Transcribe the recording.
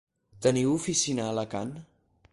Teniu oficina a Alacant?